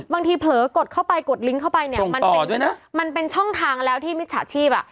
บางทีเผลอกดเข้าไปกดลิงก์เข้าไปมันเป็นช่องทางแล้วที่มิจฉาชีพ